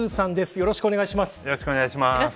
よろしくお願いします。